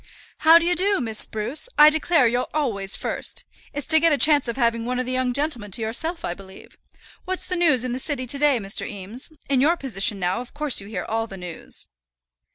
"How d'ye do, Miss Spruce? I declare you're always first. It's to get a chance of having one of the young gentlemen to yourself, I believe. What's the news in the city to day, Mr. Eames? In your position now of course you hear all the news."